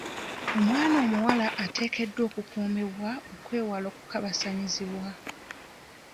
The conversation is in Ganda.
Omwana omuwala ateekeddwa okukuumibwa okwewala okukabasanyizibwa.